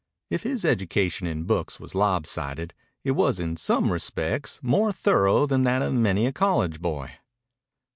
If his education in books was lopsided, it was in some respects more thorough than that of many a college boy.